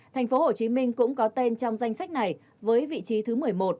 tp hcm cũng có tên trong danh sách này với vị trí thứ một mươi một